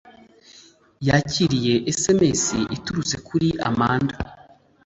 yakiriye sms iturutse kuri amanda